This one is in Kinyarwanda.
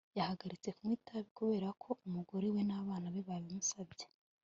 yahagaritse kunywa itabi kubera ko umugore we n'abana be babimusabye